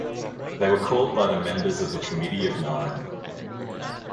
They were called by the members of the committee of nine.